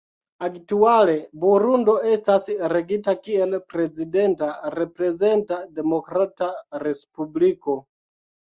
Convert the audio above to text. Aktuale, Burundo estas regita kiel prezidenta reprezenta demokrata respubliko.